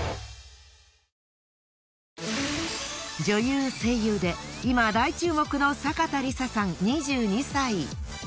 女優・声優で今大注目のさかたりささん２２歳。